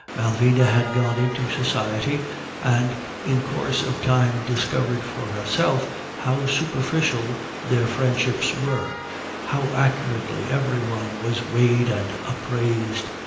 Malvina had gone into society, and in course of time discovered for herself how superficial their friendships were, how accurately every one was weighed and appraised.